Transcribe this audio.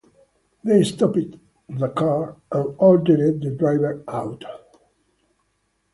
They stopped the car and ordered the driver out.